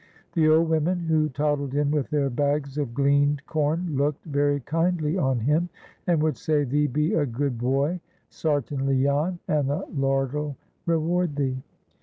The old women who toddled in with their bags of gleaned corn looked very kindly on him, and would say, "Thee be a good bwoy, sartinly, Jan, and the Lard'll reward thee."